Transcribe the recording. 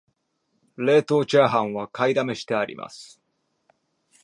冷凍チャーハンは買いだめしてあります